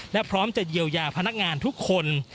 และพร้อมจะเยียวยาพนักงานทุกคน